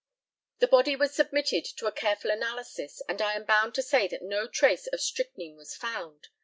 The body was submitted to a careful analysis, and I am bound to say that no trace of strychnine was found.